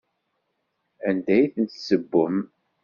Anda i ten-tessewwem?